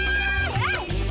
nurut dong sama gua